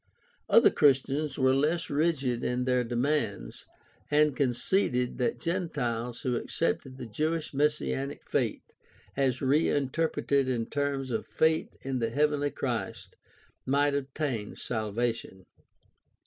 Other Christians were less rigid in their demands, and conceded that Gentiles who accepted the Jewish messianic faith as reinterpreted in terms of faith in the heavenly Christ might obtain salvation.